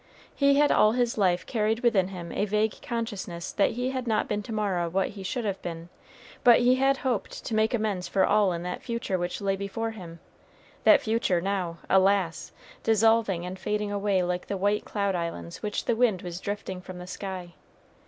He had all his life carried within him a vague consciousness that he had not been to Mara what he should have been, but he had hoped to make amends for all in that future which lay before him, that future now, alas! dissolving and fading away like the white cloud islands which the wind was drifting from the sky.